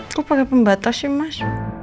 aku pake pembatas sih mas